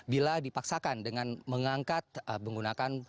bila dipaksakan dengan mengangkat menggunakan